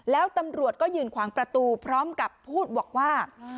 แล้วตำรวจก็ยืนขวางประตูพร้อมกับพูดบอกว่า